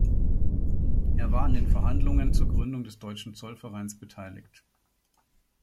Er war an den Verhandlungen zur Gründung des deutschen Zollvereins beteiligt.